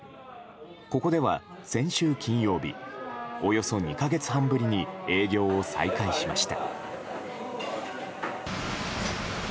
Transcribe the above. ここでは先週金曜日およそ２か月半ぶりに営業を再開しました。